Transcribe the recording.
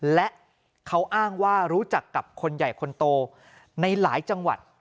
และเขาอ้างว่ารู้จักกับคนใหญ่คนโตในหลายจังหวัด